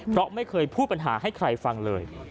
เพราะไม่เคยพูดปัญหาให้ใครฟังเลย